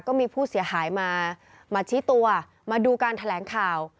ก็มีผู้เสียหายมามาชี้ตัวมาดูการแถลงข่าว